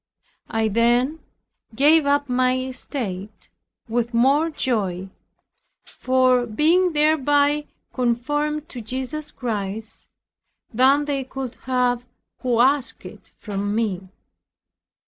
I then gave up my estate with more joy, for being thereby conformed to Jesus Christ, than they could have who asked it from me.